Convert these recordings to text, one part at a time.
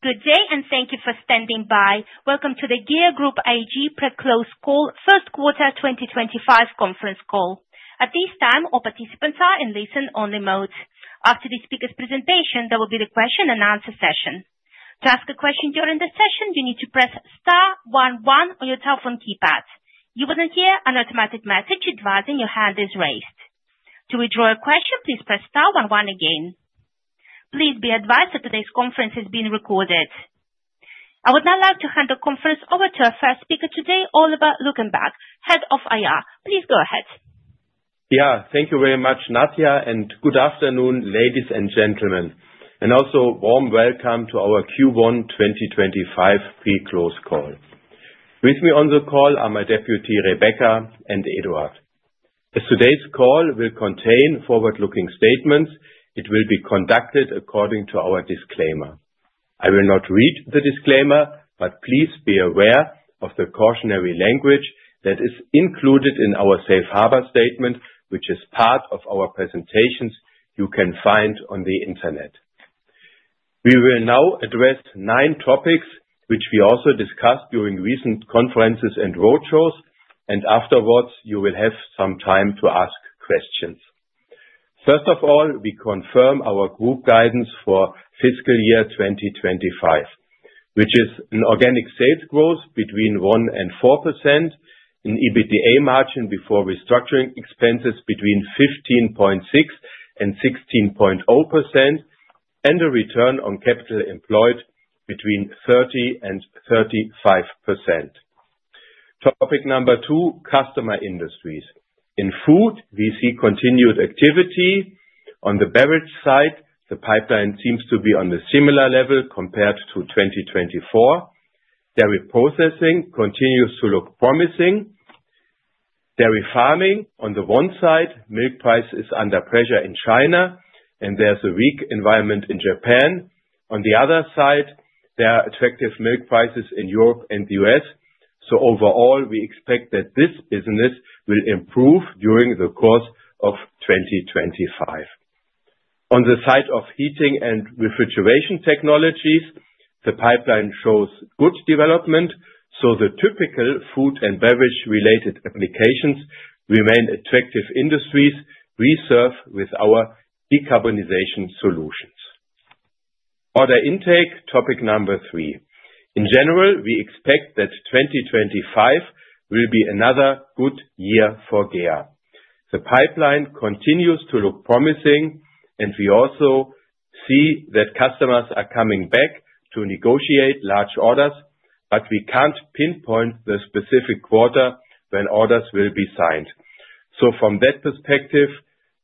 Good day, and thank you for standing by. Welcome to the GEA Group IG pre-close call, first quarter 2025 conference call. At this time, all participants are in listen-only mode. After the speaker's presentation, there will be the question-and-answer session. To ask a question during the session, you need to press star one one on your telephone keypad. You will then hear an automatic message advising your hand is raised. To withdraw a question, please press star one one again. Please be advised that today's conference is being recorded. I would now like to hand the conference over to our first speaker today, Oliver Luckenbach, Head of IR. Please go ahead. Yeah, thank you very much, Nadia, and good afternoon, ladies and gentlemen, and also a warm welcome to our Q1 2025 pre-close call. With me on the call are my deputy, Rebecca, and Eduard. As today's call will contain forward-looking statements, it will be conducted according to our disclaimer. I will not read the disclaimer, but please be aware of the cautionary language that is included in our safe harbor statement, which is part of our presentations you can find on the internet. We will now address nine topics, which we also discussed during recent conferences and roadshows, and afterwards, you will have some time to ask questions. First of all, we confirm our group guidance for fiscal year 2025, which is an organic sales growth between 1% and 4%, an EBITDA margin before restructuring expenses between 15.6% and 16.0%, and a return on capital employed between 30% and 35%. Topic number two, customer industries. In food, we see continued activity. On the beverage side, the pipeline seems to be on a similar level compared to 2024. Dairy processing continues to look promising. Dairy farming, on the one side, milk price is under pressure in China, and there is a weak environment in Japan. On the other side, there are attractive milk prices in Europe and the US, so overall, we expect that this business will improve during the course of 2025. On the side of heating and refrigeration technologies, the pipeline shows good development, so the typical food and beverage-related applications remain attractive industries we serve with our decarbonization solutions. Order intake, topic number three. In general, we expect that 2025 will be another good year for GEA. The pipeline continues to look promising, and we also see that customers are coming back to negotiate large orders, but we can't pinpoint the specific quarter when orders will be signed. From that perspective,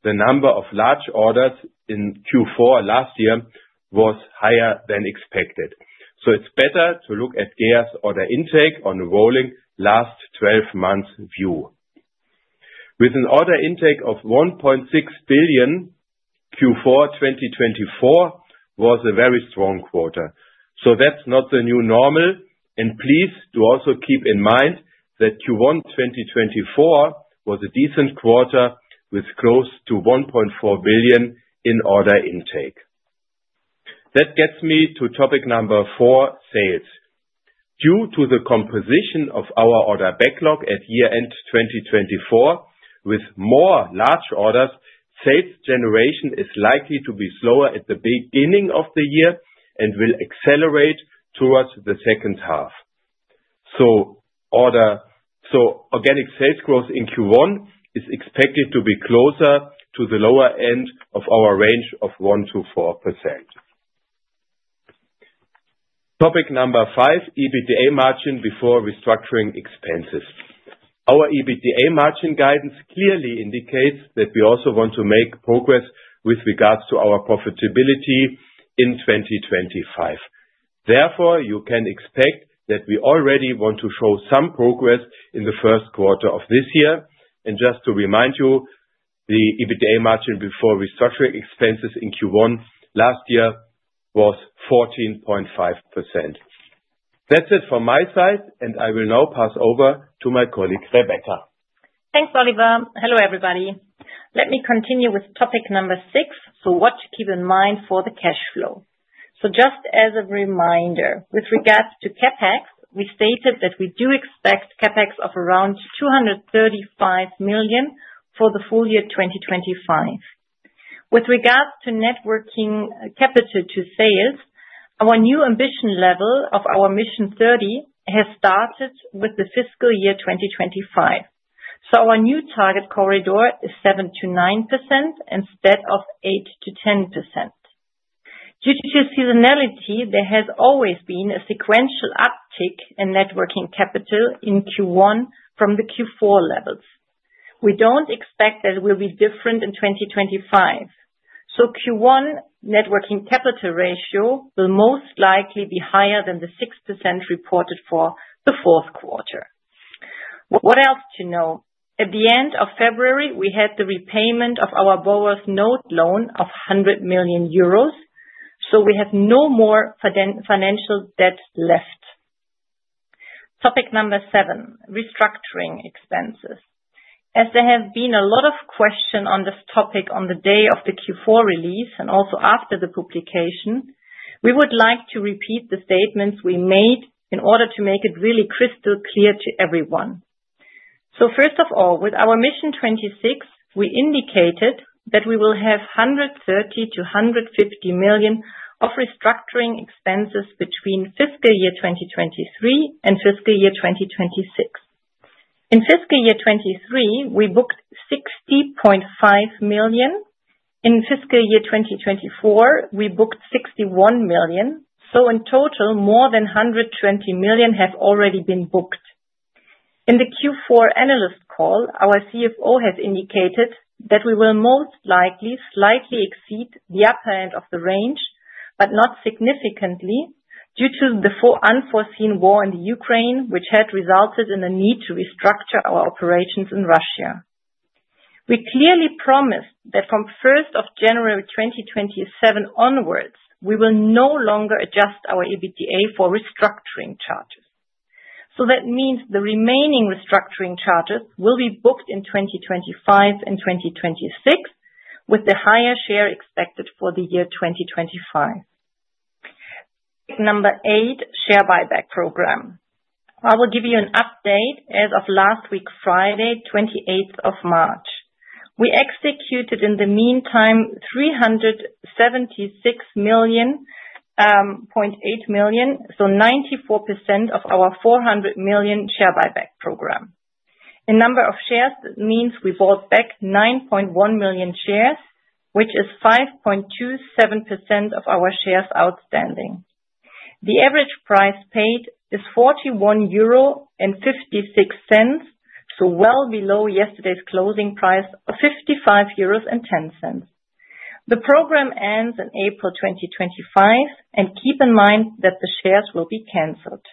the number of large orders in Q4 last year was higher than expected, so it's better to look at GEA's order intake on a rolling last 12-month view. With an order intake of 1.6 billion, Q4 2024 was a very strong quarter. That's not the new normal, and please do also keep in mind that Q1 2024 was a decent quarter with close to 1.4 billion in order intake. That gets me to topic number four, sales. Due to the composition of our order backlog at year-end 2024, with more large orders, sales generation is likely to be slower at the beginning of the year and will accelerate towards the second half. Organic sales growth in Q1 is expected to be closer to the lower end of our range of 1%-4%. Topic number five, EBITDA margin before restructuring expenses. Our EBITDA margin guidance clearly indicates that we also want to make progress with regards to our profitability in 2025. Therefore, you can expect that we already want to show some progress in the first quarter of this year, and just to remind you, the EBITDA margin before restructuring expenses in Q1 last year was 14.5%. That's it from my side, and I will now pass over to my colleague, Rebecca. Thanks, Oliver. Hello, everybody. Let me continue with topic number six, what to keep in mind for the cash flow. Just as a reminder, with regards to Capex, we stated that we do expect Capex of around 235 million for the full year 2025. With regards to net working capital to sales, our new ambition level of our Mission 30 has started with the fiscal year 2025. Our new target corridor is 7%-9% instead of 8%-10%. Due to seasonality, there has always been a sequential uptick in net working capital in Q1 from the Q4 levels. We do not expect that it will be different in 2025. Q1 net working capital ratio will most likely be higher than the 6% reported for the fourth quarter. What else to know? At the end of February, we had the repayment of our borrower's note loan of 100 million euros, so we have no more financial debt left. Topic number seven, restructuring expenses. As there have been a lot of questions on this topic on the day of the Q4 release and also after the publication, we would like to repeat the statements we made in order to make it really crystal clear to everyone. First of all, with our Mission 26, we indicated that we will have 130 million-150 million of restructuring expenses between fiscal year 2023 and fiscal year 2026. In fiscal year 2023, we booked 60.5 million. In fiscal year 2024, we booked 61 million. In total, more than 120 million have already been booked. In the Q4 analyst call, our CFO has indicated that we will most likely slightly exceed the upper end of the range, but not significantly, due to the unforeseen war in Ukraine, which had resulted in a need to restructure our operations in Russia. We clearly promised that from 1st of January 2027 onwards, we will no longer adjust our EBITDA for restructuring charges. That means the remaining restructuring charges will be booked in 2025 and 2026, with the higher share expected for the year 2025. Topic number eight, share buyback program. I will give you an update as of last week, Friday, 28th of March. We executed in the meantime 376 million, so 94% of our 400 million share buyback program. In number of shares, that means we bought back 9.1 million shares, which is 5.27% of our shares outstanding. The average price paid is 41.56 euro, so well below yesterday's closing price of 55.10 euros. The program ends in April 2025, and keep in mind that the shares will be canceled.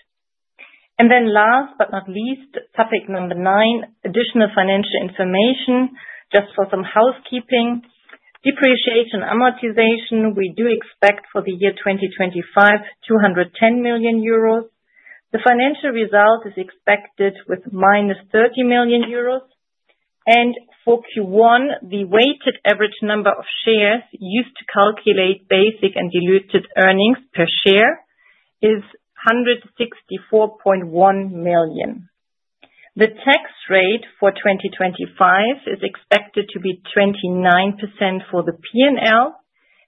Last but not least, topic number nine, additional financial information, just for some housekeeping. Depreciation amortization, we do expect for the year 2025, 210 million euros. The financial result is expected with minus 30 million euros. For Q1, the weighted average number of shares used to calculate basic and diluted earnings per share is 164.1 million. The tax rate for 2025 is expected to be 29% for the P&L,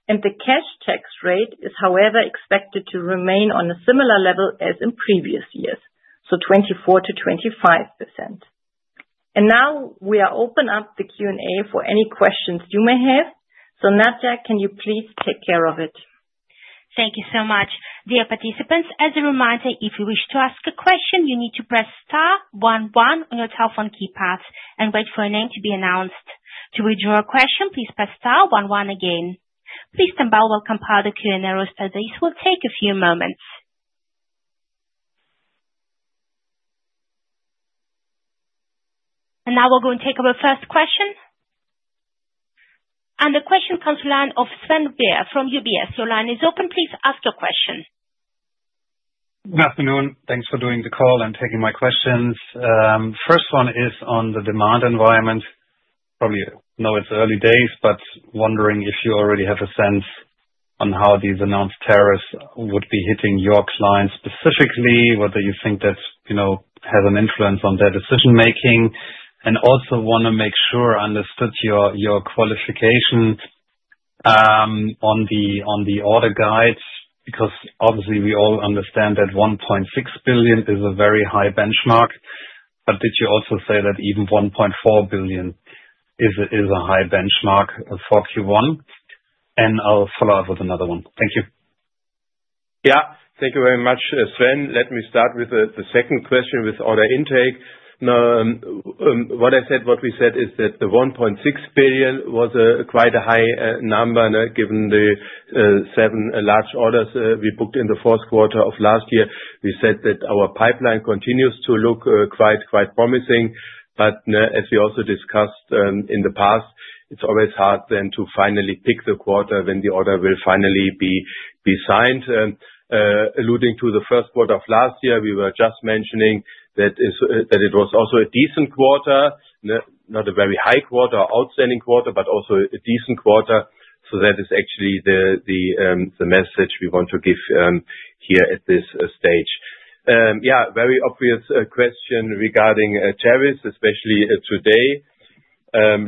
and the cash tax rate is, however, expected to remain on a similar level as in previous years, so 24%-25%. We are open up the Q&A for any questions you may have. Nadia, can you please take care of it? Thank you so much. Dear participants, as a reminder, if you wish to ask a question, you need to press *11 on your telephone keypad and wait for a name to be announced. To withdraw a question, please press *11 again. Please stand by while we compile the Q&A rosters. This will take a few moments. Now we are going to take our first question. The question comes to the line of Sven Weier from UBS. Your line is open. Please ask your question. Good afternoon. Thanks for doing the call and taking my questions. First one is on the demand environment. Probably know it's early days, but wondering if you already have a sense on how these announced tariffs would be hitting your clients specifically, whether you think that has an influence on their decision-making. I also want to make sure I understood your qualification on the order guides, because obviously we all understand that 1.6 billion is a very high benchmark, but did you also say that even 1.4 billion is a high benchmark for Q1? I'll follow up with another one. Thank you. Yeah, thank you very much, Sven. Let me start with the second question with order intake. What I said, what we said is that the 1.6 billion was quite a high number given the seven large orders we booked in the fourth quarter of last year. We said that our pipeline continues to look quite promising, but as we also discussed in the past, it's always hard then to finally pick the quarter when the order will finally be signed. Alluding to the first quarter of last year, we were just mentioning that it was also a decent quarter, not a very high quarter or outstanding quarter, but also a decent quarter. That is actually the message we want to give here at this stage. Yeah, very obvious question regarding tariffs, especially today,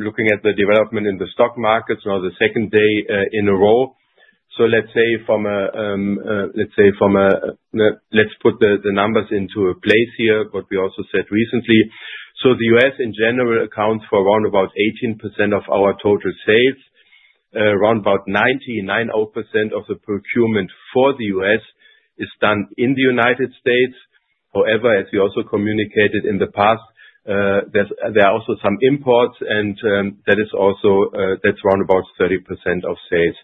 looking at the development in the stock markets, now the second day in a row. Let's put the numbers into a place here, what we also said recently. The US in general accounts for around 18% of our total sales. Around 99% of the procurement for the US is done in the United States. However, as we also communicated in the past, there are also some imports, and that is around 30% of sales.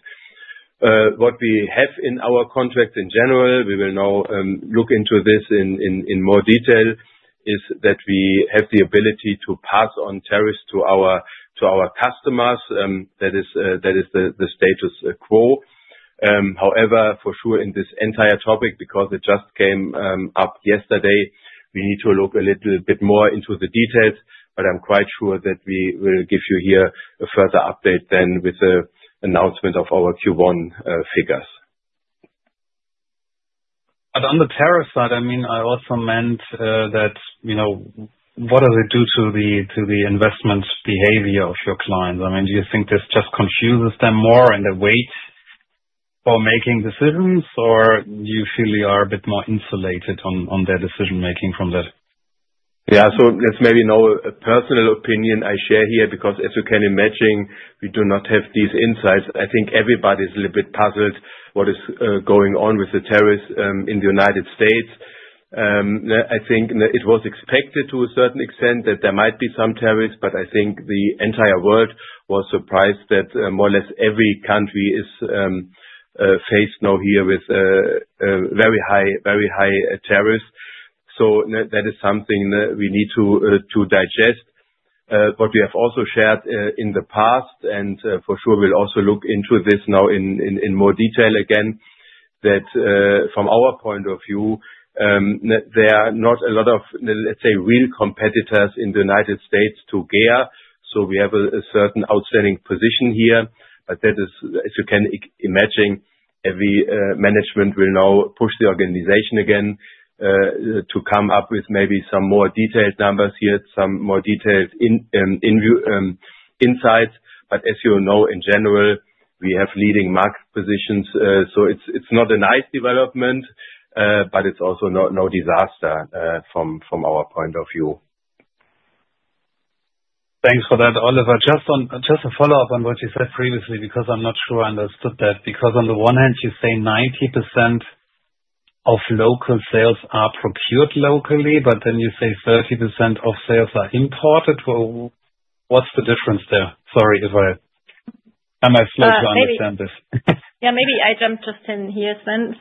What we have in our contract in general, we will now look into this in more detail, is that we have the ability to pass on tariffs to our customers. That is the status quo. However, for sure in this entire topic, because it just came up yesterday, we need to look a little bit more into the details, but I'm quite sure that we will give you here a further update then with the announcement of our Q1 figures. On the tariff side, I mean, I also meant that what does it do to the investment behavior of your clients? I mean, do you think this just confuses them more in the wait or making decisions, or do you feel you are a bit more insulated on their decision-making from that? Yeah, maybe I share a personal opinion here, because as you can imagine, we do not have these insights. I think everybody's a little bit puzzled what is going on with the tariffs in the United States. I think it was expected to a certain extent that there might be some tariffs, but I think the entire world was surprised that more or less every country is faced now here with very high tariffs. That is something we need to digest. What we have also shared in the past, and for sure we will also look into this now in more detail again, that from our point of view, there are not a lot of, let's say, real competitors in the United States to GEA. We have a certain outstanding position here, but that is, as you can imagine, every management will now push the organization again to come up with maybe some more detailed numbers here, some more detailed insights. As you know, in general, we have leading market positions. It is not a nice development, but it is also no disaster from our point of view. Thanks for that, Oliver. Just a follow-up on what you said previously, because I'm not sure I understood that. Because on the one hand, you say 90% of local sales are procured locally, but then you say 30% of sales are imported. What's the difference there? Sorry if I am slow to understand this. Yeah, maybe I jump just in here, Sven.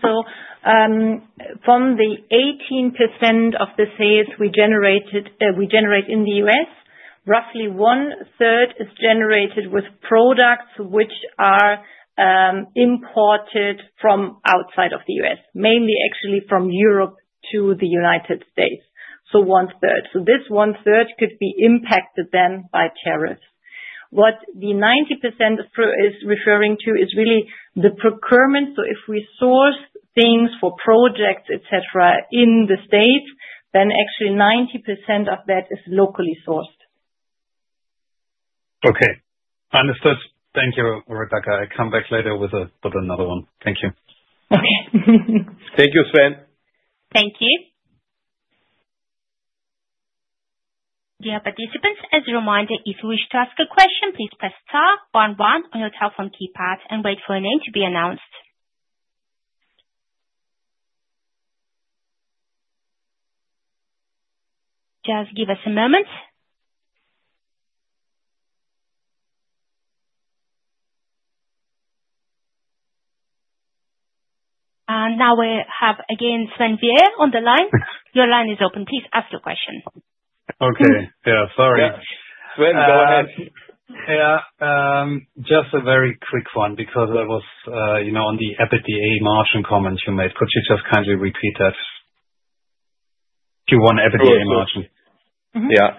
From the 18% of the sales we generate in the U.S., roughly one-third is generated with products which are imported from outside of the U.S., mainly actually from Europe to the United States. One-third. This one-third could be impacted then by tariffs. What the 90% is referring to is really the procurement. If we source things for projects, etc., in the States, then actually 90% of that is locally sourced. Okay. Understood. Thank you, Rebecca. I'll come back later with another one. Thank you. Okay. Thank you, Sven. Thank you. Dear participants, as a reminder, if you wish to ask a question, please press star one one on your telephone keypad and wait for a name to be announced. Just give us a moment. Now we have again Sven Weier on the line. Your line is open. Please ask your question. Okay. Yeah, sorry. Yeah. Sven, go ahead. Yeah, just a very quick one, because I was on the EBITDA margin comment you made. Could you just kindly repeat that? Q1 EBITDA margin. Yeah.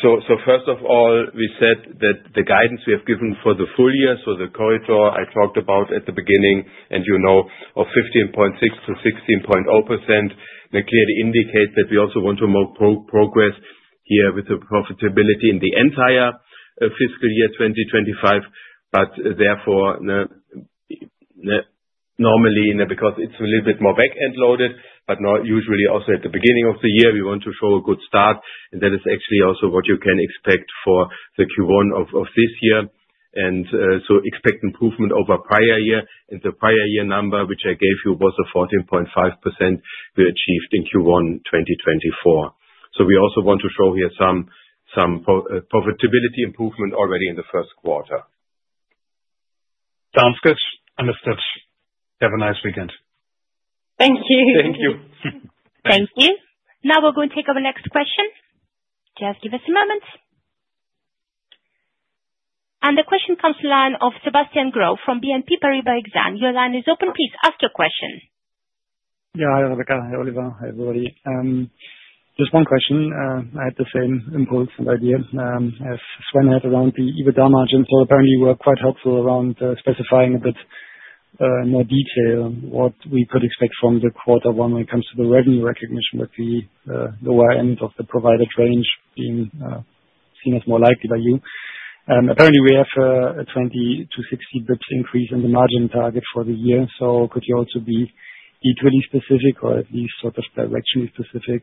First of all, we said that the guidance we have given for the full year, the corridor I talked about at the beginning, you know, of 15.6%-16.0%, that clearly indicates that we also want to make progress here with the profitability in the entire fiscal year 2025. Therefore, normally, because it is a little bit more back-end loaded, usually also at the beginning of the year, we want to show a good start. That is actually also what you can expect for the Q1 of this year. You can expect improvement over prior year. The prior year number, which I gave you, was 14.5% we achieved in Q1 2024. We also want to show here some profitability improvement already in the first quarter. Sounds good. Understood. Have a nice weekend. Thank you. Thank you. Thank you. Now we're going to take our next question. Just give us a moment. The question comes to the line of Sebastian Growe from BNP Paribas Exane. Your line is open. Please ask your question. Yeah, hi Rebecca, hi Oliver, hi everybody. Just one question. I had the same impulse and idea as Sven had around the EBITDA margin. Apparently, you were quite helpful around specifying a bit more detail on what we could expect from quarter one when it comes to the revenue recognition with the lower end of the provided range being seen as more likely by you. Apparently, we have a 20-60 basis points increase in the margin target for the year. Could you also be equally specific or at least sort of directionally specific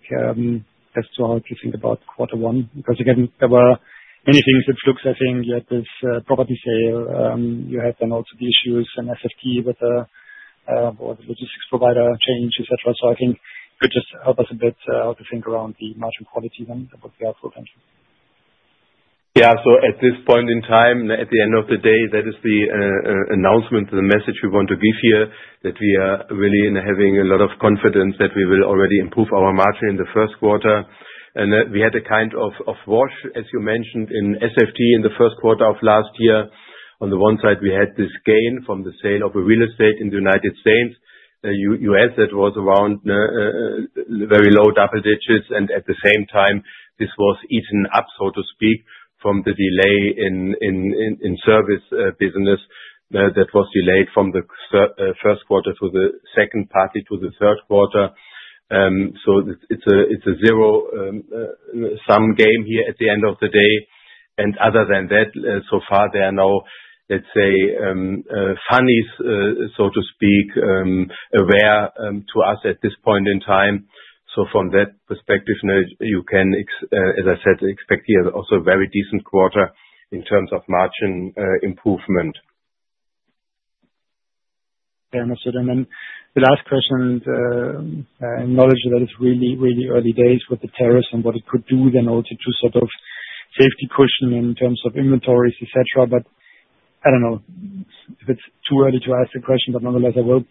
as to how to think about quarter one? Again, there were many things that look, I think, at this property sale. You had then also the issues in SFT with the logistics provider change, etc. I think it could just help us a bit to think around the margin quality then. That would be helpful, thank you. Yeah, at this point in time, at the end of the day, that is the announcement, the message we want to give here that we are really having a lot of confidence that we will already improve our margin in the first quarter. We had a kind of wash, as you mentioned, in SFT in the first quarter of last year. On the one side, we had this gain from the sale of real estate in the United States. You add that was around very low double digits. At the same time, this was eaten up, so to speak, from the delay in service business that was delayed from the first quarter to the second party to the third quarter. It is a zero-sum game here at the end of the day. Other than that, so far, there are no, let's say, funnies, so to speak, aware to us at this point in time. From that perspective, you can, as I said, expect here also a very decent quarter in terms of margin improvement. Yeah, understood. The last question, knowledge that it's really, really early days with the tariffs and what it could do then also to sort of safety cushion in terms of inventories, etc. I don't know if it's too early to ask the question, but nonetheless, I will.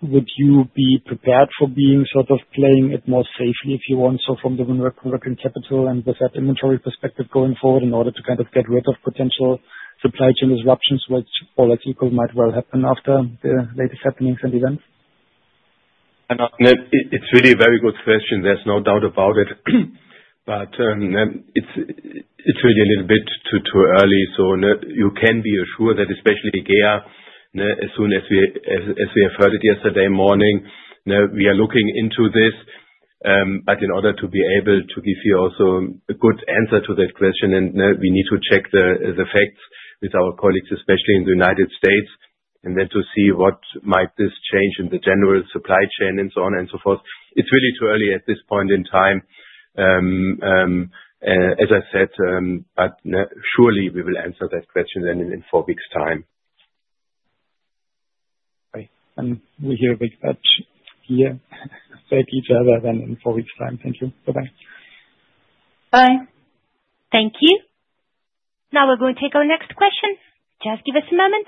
Would you be prepared for being sort of playing it more safely if you want? From the working capital and with that inventory perspective going forward, in order to kind of get rid of potential supply chain disruptions, which all at equal might well happen after the latest happenings and events? It's really a very good question. There's no doubt about it. It's really a little bit too early. You can be assured that especially GEA, as soon as we have heard it yesterday morning, we are looking into this. In order to be able to give you also a good answer to that question, we need to check the facts with our colleagues, especially in the United States, and then to see what might this change in the general supply chain and so on and so forth. It's really too early at this point in time, as I said, but surely we will answer that question then in four weeks' time. Great. We will hear a bit here. Thank you, then in four weeks' time. Thank you. Bye-bye. Bye. Thank you. Now we're going to take our next question. Just give us a moment.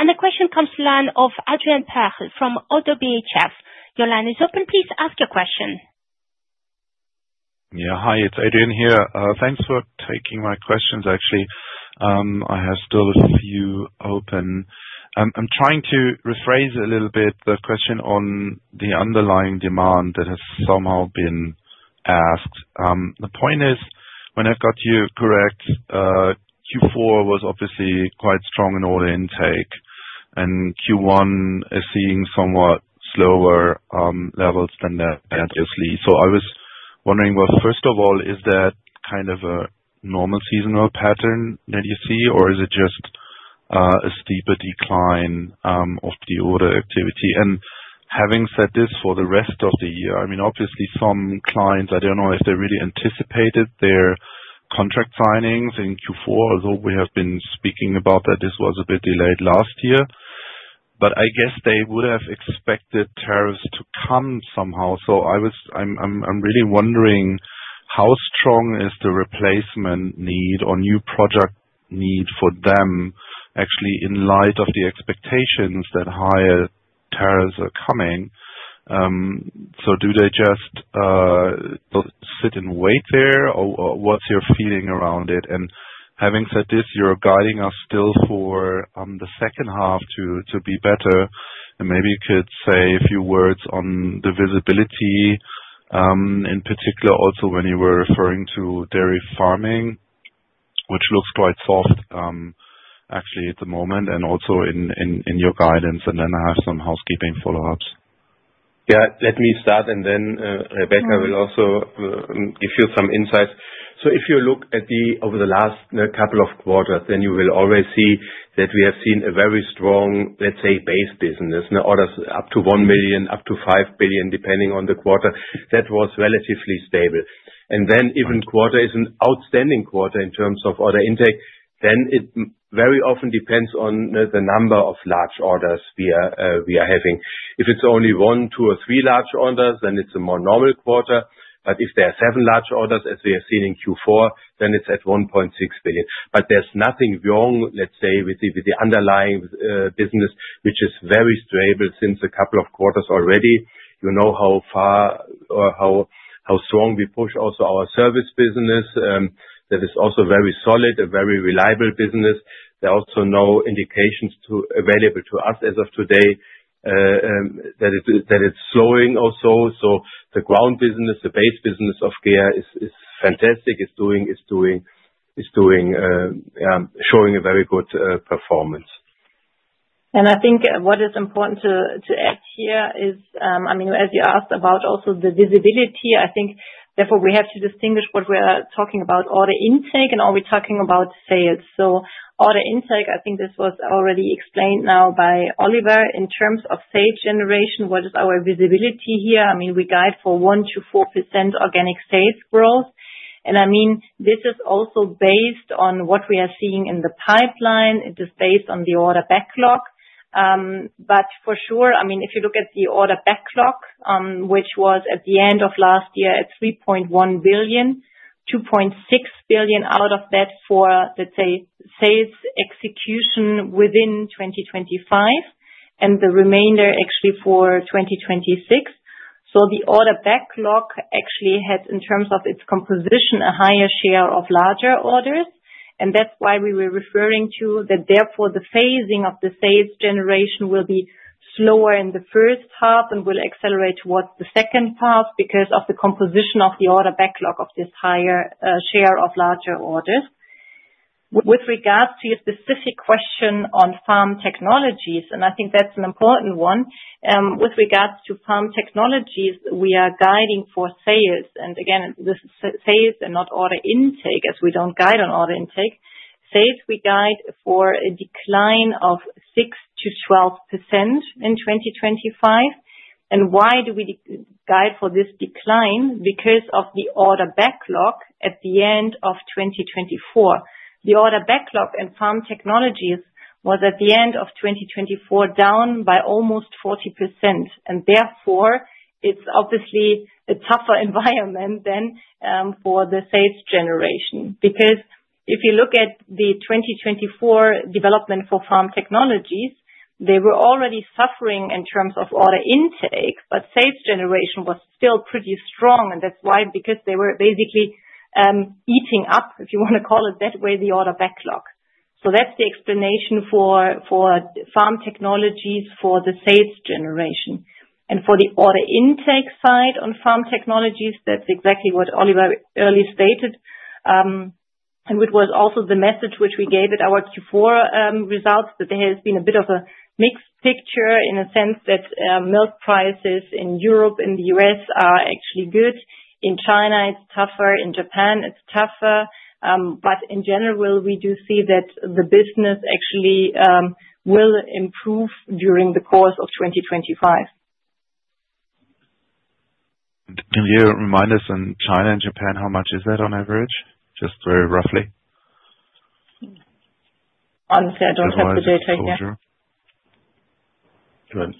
The question comes to the line of Adrian Pehl from Oddo BHF. Your line is open. Please ask your question. Yeah, hi, it's Adrian here. Thanks for taking my questions, actually. I have still a few open. I'm trying to rephrase a little bit the question on the underlying demand that has somehow been asked. The point is, when I've got you correct, Q4 was obviously quite strong in order intake, and Q1 is seeing somewhat slower levels than that, obviously. I was wondering, first of all, is that kind of a normal seasonal pattern that you see, or is it just a steeper decline of the order activity? Having said this for the rest of the year, I mean, obviously, some clients, I don't know if they really anticipated their contract signings in Q4, although we have been speaking about that this was a bit delayed last year. I guess they would have expected tariffs to come somehow. I'm really wondering how strong is the replacement need or new project need for them, actually, in light of the expectations that higher tariffs are coming? Do they just sit and wait there, or what's your feeling around it? Having said this, you're guiding us still for the second half to be better. Maybe you could say a few words on the visibility, in particular, also when you were referring to dairy farming, which looks quite soft, actually, at the moment, and also in your guidance. I have some housekeeping follow-ups. Yeah, let me start, and then Rebecca will also give you some insights. If you look at the over the last couple of quarters, you will always see that we have seen a very strong, let's say, base business, orders up to 1 million, up to 5 billion, depending on the quarter. That was relatively stable. Every quarter is an outstanding quarter in terms of order intake. It very often depends on the number of large orders we are having. If it's only one, two, or three large orders, then it's a more normal quarter. If there are seven large orders, as we have seen in Q4, then it's at 1.6 billion. There is nothing wrong, let's say, with the underlying business, which is very stable since a couple of quarters already. You know how far or how strong we push also our service business. That is also very solid, a very reliable business. There are also no indications available to us as of today that it is slowing also. The ground business, the base business of GEA is fantastic. It is doing, showing a very good performance. I think what is important to add here is, I mean, as you asked about also the visibility, I think therefore we have to distinguish what we are talking about, order intake, and are we talking about sales? Order intake, I think this was already explained now by Oliver. In terms of sales generation, what is our visibility here? I mean, we guide for 1%-4% organic sales growth. I mean, this is also based on what we are seeing in the pipeline. It is based on the order backlog. For sure, I mean, if you look at the order backlog, which was at the end of last year at 3.1 billion, 2.6 billion out of that for, let's say, sales execution within 2025, and the remainder actually for 2026. The order backlog actually had, in terms of its composition, a higher share of larger orders. That is why we were referring to that; therefore, the phasing of the sales generation will be slower in the first half and will accelerate towards the second half because of the composition of the order backlog of this higher share of larger orders. With regards to your specific question on farm technologies, and I think that is an important one, with regards to farm technologies, we are guiding for sales. Again, this is sales and not order intake, as we do not guide on order intake. Sales we guide for a decline of 6%-12% in 2025. Why do we guide for this decline? Because of the order backlog at the end of 2024. The order backlog in farm technologies was at the end of 2024 down by almost 40%. Therefore, it's obviously a tougher environment then for the sales generation. Because if you look at the 2024 development for farm technologies, they were already suffering in terms of order intake, but sales generation was still pretty strong. That's why, because they were basically eating up, if you want to call it that way, the order backlog. That's the explanation for farm technologies for the sales generation. For the order intake side on farm technologies, that's exactly what Oliver early stated. It was also the message which we gave at our Q4 results that there has been a bit of a mixed picture in the sense that milk prices in Europe and the US are actually good. In China, it's tougher. In Japan, it's tougher. In general, we do see that the business actually will improve during the course of 2025. Can you remind us in China and Japan, how much is that on average? Just very roughly. Honestly, I don't have the data yet.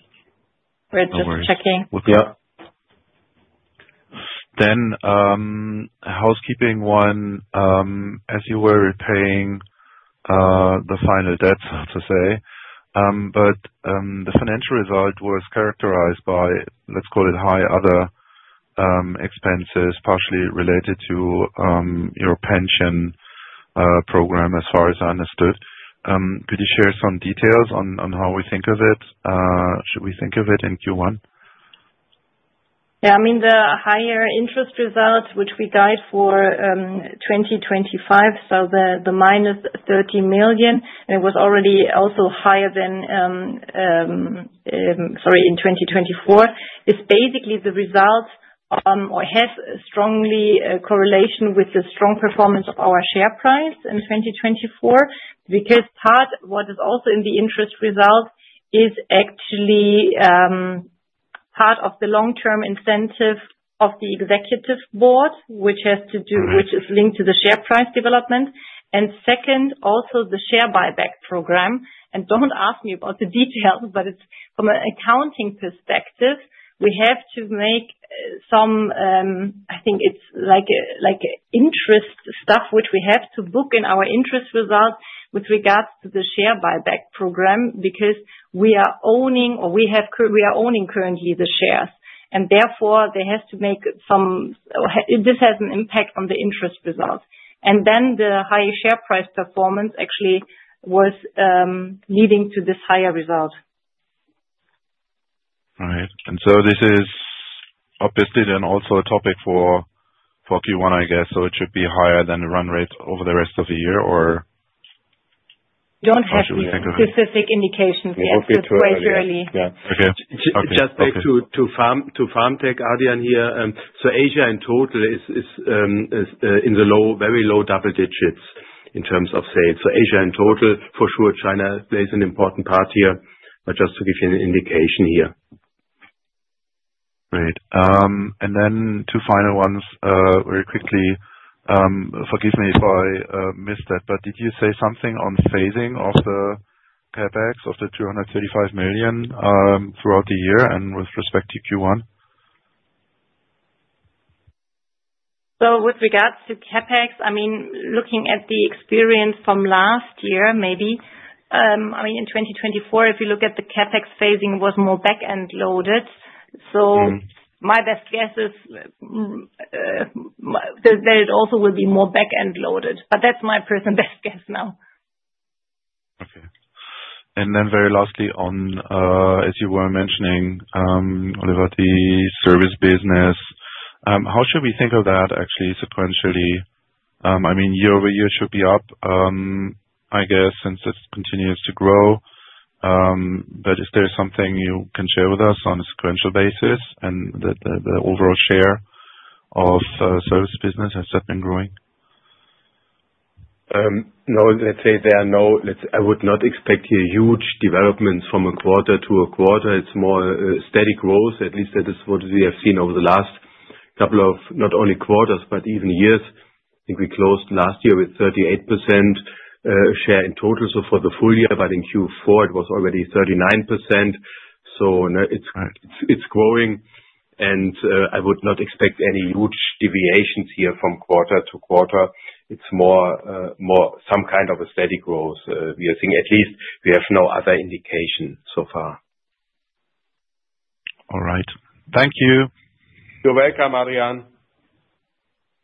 We're just checking. Housekeeping one, as you were repaying the final debt, so to say. The financial result was characterized by, let's call it, high other expenses, partially related to your pension program, as far as I understood. Could you share some details on how we think of it? Should we think of it in Q1? Yeah, I mean, the higher interest result, which we guide for 2025, so the minus 30 million, and it was already also higher than, sorry, in 2024, is basically the result or has strongly correlation with the strong performance of our share price in 2024. Because part of what is also in the interest result is actually part of the long-term incentive of the executive board, which has to do, which is linked to the share price development. Second, also the share buyback program. Don't ask me about the details, but from an accounting perspective, we have to make some, I think it's like interest stuff, which we have to book in our interest result with regards to the share buyback program, because we are owning or we are owning currently the shares. Therefore, they have to make some, this has an impact on the interest result. The high share price performance actually was leading to this higher result. Right. This is obviously then also a topic for Q1, I guess. It should be higher than the run rate over the rest of the year, or? Don't have any specific indications. We'll get to it. Yes, it's quite early. Okay. Just to farm tech, Adrian here. Asia in total is in the low, very low double digits in terms of sales. Asia in total, for sure, China plays an important part here, just to give you an indication here. Right. Two final ones very quickly. Forgive me if I missed that, but did you say something on phasing of the CapEx, of the 235 million throughout the year and with respect to Q1? With regards to CapEx, I mean, looking at the experience from last year, maybe, I mean, in 2024, if you look at the CapEx phasing, it was more back-end loaded. My best guess is that it also will be more back-end loaded. That's my personal best guess now. Okay. And then very lastly, as you were mentioning, Oliver, the service business, how should we think of that actually sequentially? I mean, year over year should be up, I guess, since it continues to grow. Is there something you can share with us on a sequential basis and the overall share of service business? Has that been growing? No, let's say there are no, I would not expect huge developments from a quarter to a quarter. It's more steady growth. At least that is what we have seen over the last couple of not only quarters, but even years. I think we closed last year with 38% share in total. For the full year, but in Q4, it was already 39%. It's growing. I would not expect any huge deviations here from quarter to quarter. It's more some kind of a steady growth we are seeing, at least we have no other indication so far. All right. Thank you. You're welcome, Adrian.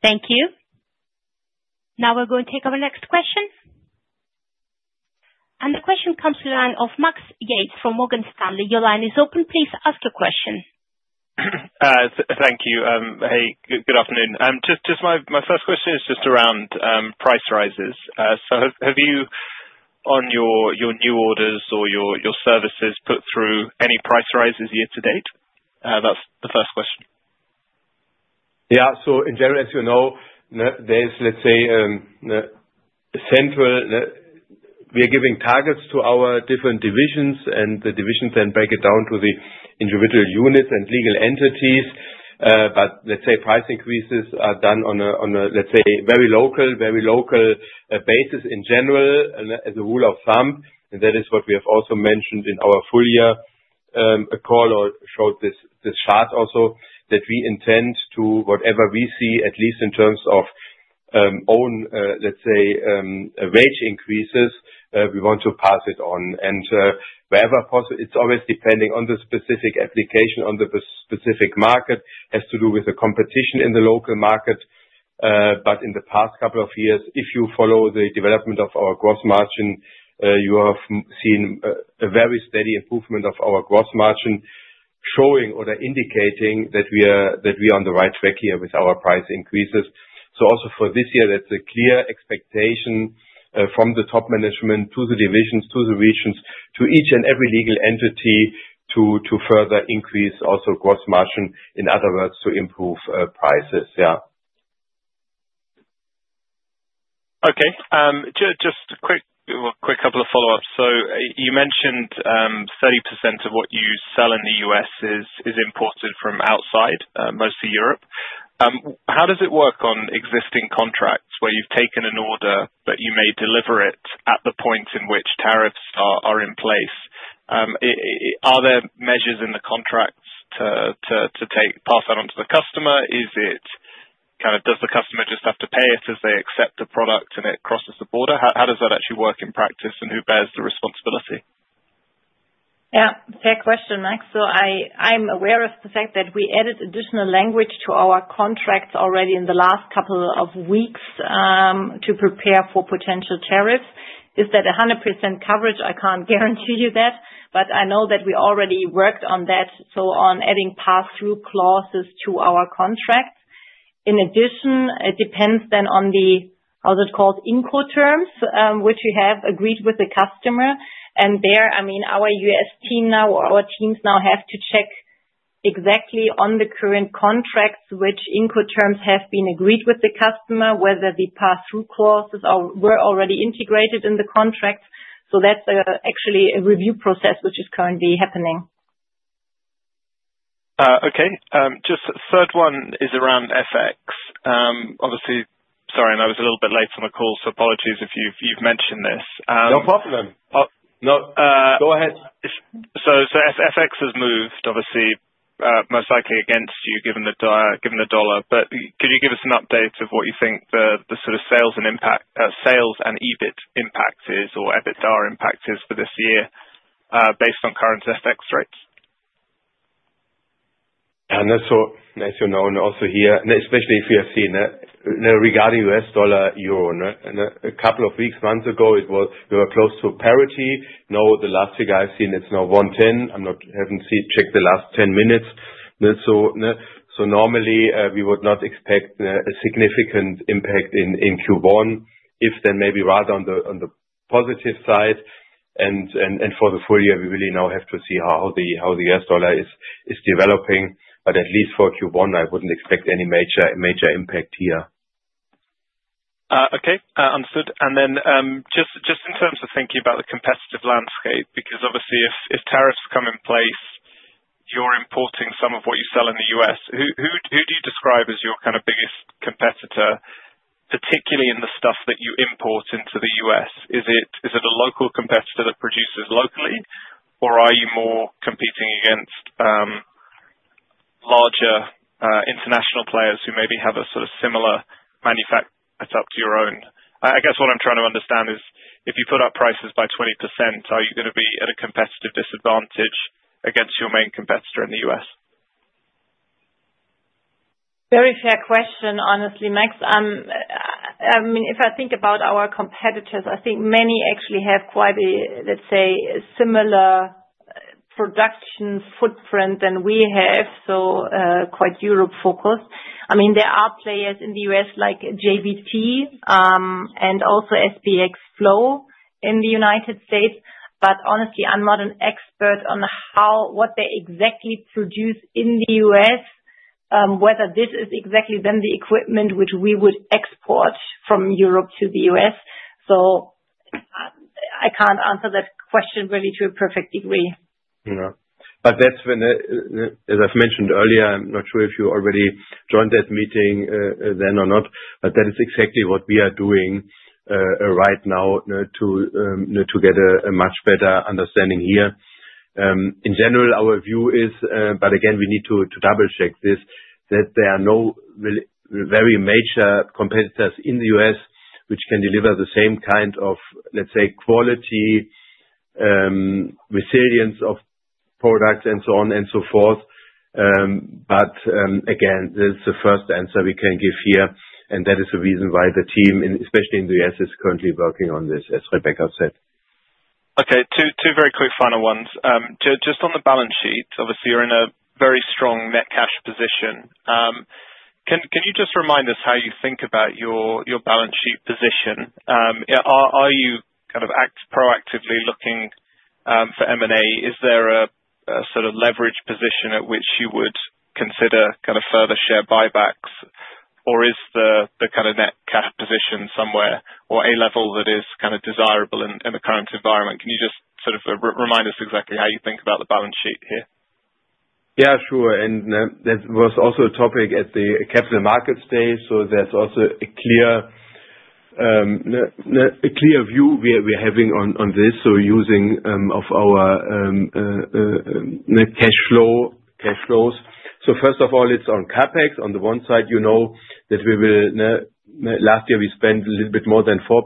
Thank you. Now we are going to take our next question. The question comes to the line of Max Yates from Morgan Stanley. Your line is open. Please ask your question. Thank you. Hey, good afternoon. Just my first question is just around price rises. Have you, on your new orders or your services, put through any price rises year to date? That is the first question. Yeah. In general, as you know, central we are giving targets to our different divisions, and the divisions then break it down to the individual units and legal entities. Let's say price increases are done on a very local, very local basis in general, as a rule of thumb. That is what we have also mentioned in our full year. A call showed this chart also that we intend to, whatever we see, at least in terms of own, let's say, wage increases, we want to pass it on. Wherever possible, it's always depending on the specific application, on the specific market, has to do with the competition in the local market. In the past couple of years, if you follow the development of our gross margin, you have seen a very steady improvement of our gross margin showing or indicating that we are on the right track here with our price increases. For this year, that's a clear expectation from the top management to the divisions, to the regions, to each and every legal entity to further increase also gross margin, in other words, to improve prices. Yeah. Okay. Just a quick couple of follow-ups. You mentioned 30% of what you sell in the US is imported from outside, mostly Europe. How does it work on existing contracts where you've taken an order, but you may deliver it at the point in which tariffs are in place? Are there measures in the contracts to pass that on to the customer? Is it kind of does the customer just have to pay it as they accept the product and it crosses the border? How does that actually work in practice, and who bears the responsibility? Yeah. Fair question, Max. I am aware of the fact that we added additional language to our contracts already in the last couple of weeks to prepare for potential tariffs. Is that 100% coverage? I cannot guarantee you that. I know that we already worked on that, on adding pass-through clauses to our contracts. In addition, it depends then on the, how is it called, Incoterms, which we have agreed with the customer. I mean, our US team now, or our teams now, have to check exactly on the current contracts which Incoterms have been agreed with the customer, whether the pass-through clauses were already integrated in the contracts. That is actually a review process which is currently happening. Okay. Just the third one is around FX. Obviously, sorry, I know it's a little bit late on the call, so apologies if you've mentioned this. No problem. Go ahead. FX has moved, obviously, most likely against you given the dollar. Could you give us an update of what you think the sort of sales and EBIT impact is, or EBITDA impact is for this year based on current FX rates? As you know, and also here, especially if you have seen it, regarding U.S. dollar euro, a couple of weeks, months ago, we were close to parity. Now, the last figure I've seen, it's now 1.10. I haven't checked the last 10 minutes. Normally, we would not expect a significant impact in Q1, if then maybe rather on the positive side. For the full year, we really now have to see how the U.S. dollar is developing. At least for Q1, I wouldn't expect any major impact here. Okay. Understood. Just in terms of thinking about the competitive landscape, because obviously, if tariffs come in place, you're importing some of what you sell in the U.S., who do you describe as your kind of biggest competitor, particularly in the stuff that you import into the U.S.? Is it a local competitor that produces locally, or are you more competing against larger international players who maybe have a sort of similar manufacturer setup to your own? I guess what I'm trying to understand is, if you put up prices by 20%, are you going to be at a competitive disadvantage against your main competitor in the U.S.? Very fair question, honestly, Max. I mean, if I think about our competitors, I think many actually have quite a, let's say, similar production footprint than we have, so quite Europe-focused. I mean, there are players in the U.S. like JBT and also SPX Flow in the United States. Honestly, I'm not an expert on what they exactly produce in the U.S., whether this is exactly then the equipment which we would export from Europe to the U.S. I can't answer that question really to a perfect degree. That is when, as I've mentioned earlier, I'm not sure if you already joined that meeting then or not, but that is exactly what we are doing right now to get a much better understanding here. In general, our view is, but again, we need to double-check this, that there are no very major competitors in the U.S. which can deliver the same kind of, let's say, quality, resilience of products, and so on and so forth. Again, this is the first answer we can give here. That is the reason why the team, especially in the U.S., is currently working on this, as Rebecca said. Okay. Two very quick final ones. Just on the balance sheet, obviously, you're in a very strong net cash position. Can you just remind us how you think about your balance sheet position? Are you kind of proactively looking for M&A? Is there a sort of leverage position at which you would consider kind of further share buybacks, or is the kind of net cash position somewhere or a level that is kind of desirable in the current environment? Can you just sort of remind us exactly how you think about the balance sheet here? Yeah, sure. That was also a topic at the Capital Markets Day. That is also a clear view we're having on this, using our net cash flows. First of all, it's on CapEx. On the one side, you know that we will last year, we spent a little bit more than 4%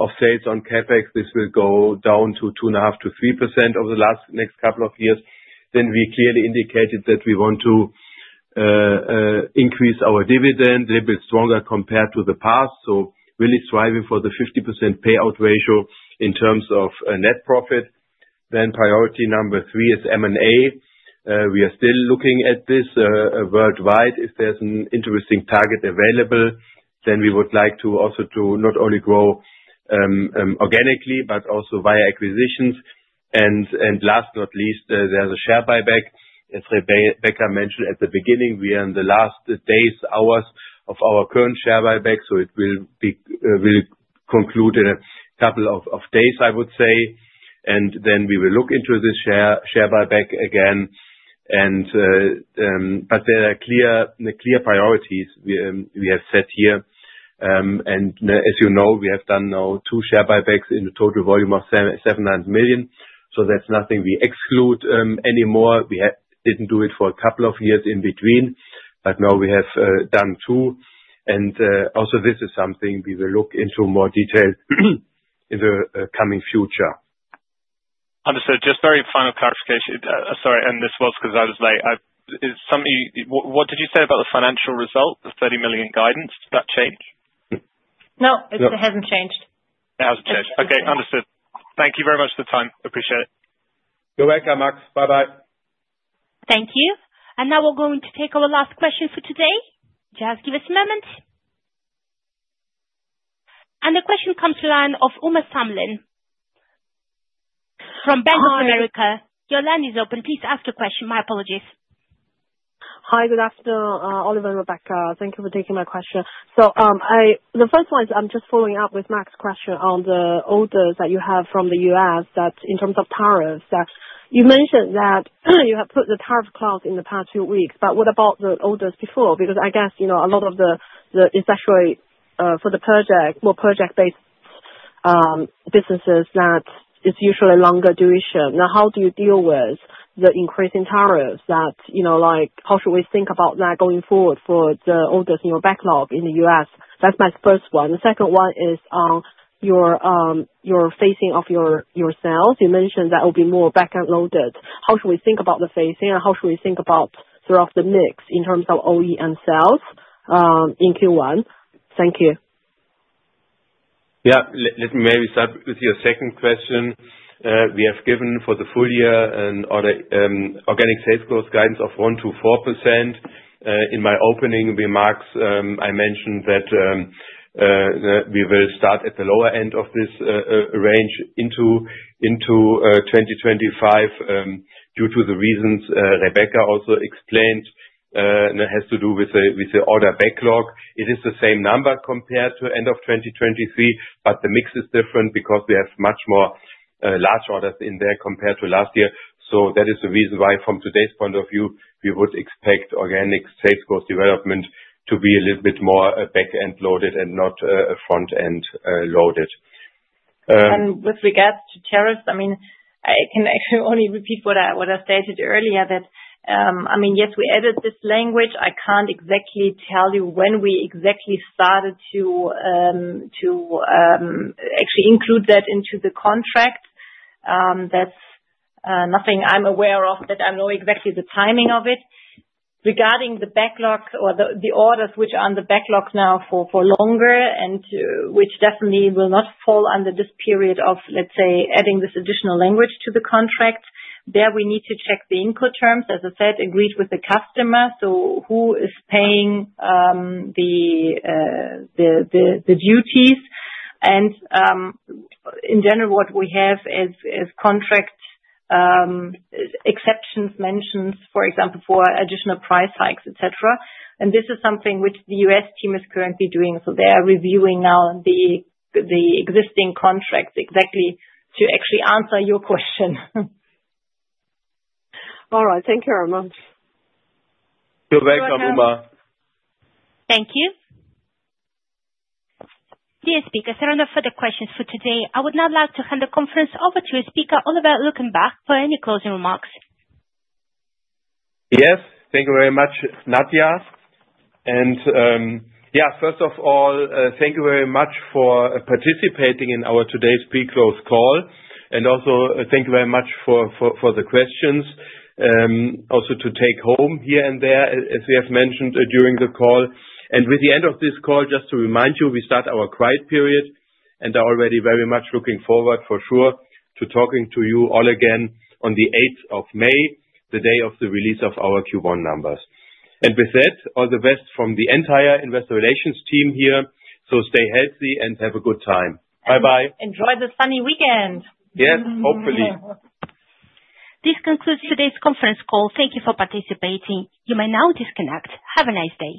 of sales on CapEx. This will go down to 2.5-3% over the next couple of years. We clearly indicated that we want to increase our dividend a little bit stronger compared to the past, really striving for the 50% payout ratio in terms of net profit. Priority number three is M&A. We are still looking at this worldwide. If there's an interesting target available, we would like to also not only grow organically, but also via acquisitions. Last but not least, there's a share buyback. As Rebecca mentioned at the beginning, we are in the last days, hours of our current share buyback. It will conclude in a couple of days, I would say. We will look into this share buyback again. There are clear priorities we have set here. As you know, we have done now two share buybacks in a total volume of 700 million. That is nothing we exclude anymore. We did not do it for a couple of years in between, but now we have done two. This is something we will look into more detail in the coming future. Understood. Just very final clarification. Sorry. This was because I was late. What did you say about the financial result, the 30 million guidance? Did that change? No, it hasn't changed. It hasn't changed. Okay. Understood. Thank you very much for the time. Appreciate it. You're welcome, Max. Bye-bye. Thank you. Now we are going to take our last question for today. Just give us a moment. The question comes to the line of Uma Samlin from Bank of America. Your line is open. Please ask the question. My apologies. Hi. Good afternoon, Oliver and Rebecca. Thank you for taking my question. The first one is I'm just following up with Max's question on the orders that you have from the U.S. in terms of tariffs. You mentioned that you have put the tariff clause in the past few weeks, but what about the orders before? I guess a lot of the, especially for the project, more project-based businesses, that it's usually longer duration. How do you deal with the increasing tariffs? How should we think about that going forward for the orders in your backlog in the U.S.? That's my first one. The second one is on your phasing of your sales. You mentioned that will be more back-loaded. How should we think about the phasing? How should we think about throughout the mix in terms of OE and sales in Q1? Thank you. Yeah. Let me maybe start with your second question. We have given for the full year an organic sales growth guidance of 1-4%. In my opening remarks, I mentioned that we will start at the lower end of this range into 2025 due to the reasons Rebecca also explained has to do with the order backlog. It is the same number compared to end of 2023, but the mix is different because we have much more large orders in there compared to last year. That is the reason why from today's point of view, we would expect organic sales growth development to be a little bit more back-end loaded and not front-end loaded. With regards to tariffs, I mean, I can actually only repeat what I stated earlier that, I mean, yes, we added this language. I can't exactly tell you when we exactly started to actually include that into the contract. That's nothing I'm aware of that I know exactly the timing of it. Regarding the backlog or the orders which are on the backlog now for longer and which definitely will not fall under this period of, let's say, adding this additional language to the contract, there we need to check the Incoterms, as I said, agreed with the customer. Who is paying the duties? In general, what we have is contract exceptions mentioned, for example, for additional price hikes, etc. This is something which the US team is currently doing. They are reviewing now the existing contracts exactly to actually answer your question. All right. Thank you very much. You're welcome, Uma. Thank you. Dear Speaker, there are no further questions for today. I would now like to hand the conference over to you, Speaker Oliver Luckenbach, for any closing remarks. Yes. Thank you very much, Nadia. First of all, thank you very much for participating in our today's pre-close call. Also, thank you very much for the questions, also to take home here and there, as we have mentioned during the call. With the end of this call, just to remind you, we start our quiet period. I am already very much looking forward, for sure, to talking to you all again on the 8th of May, the day of the release of our Q1 numbers. With that, all the best from the entire Investor Relations team here. Stay healthy and have a good time. Bye-bye. Enjoy the sunny weekend. Yes. Hopefully. This concludes today's conference call. Thank you for participating. You may now disconnect. Have a nice day.